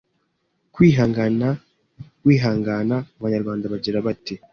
Kwihangana wihangana Abanyarwanda bagira bati